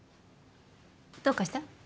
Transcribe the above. どうかした？